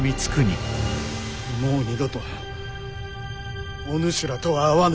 もう二度とお主らとは会わぬ！